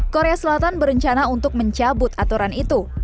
korea selatan berencana untuk mencabut aturan itu